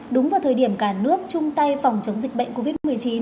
đúng vào thời điểm cả nước chung tay phòng chống dịch bệnh covid một mươi chín